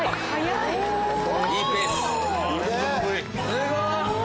・すごっ！